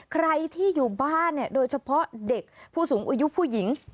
ใครที่อยู่บ้านเนี่ยโดยเฉพาะเด็กผู้สูงอายุผู้หญิง